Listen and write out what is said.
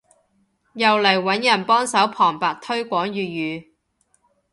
又嚟揾人幫手旁白推廣粵語